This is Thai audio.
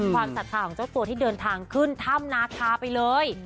ศรัทธาของเจ้าตัวที่เดินทางขึ้นถ้ำนาคาไปเลย